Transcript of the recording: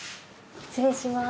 失礼します。